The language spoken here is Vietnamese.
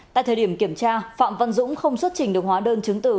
tại thời điểm kiểm tra phạm văn dũng không xuất trình được hóa đơn chứng tử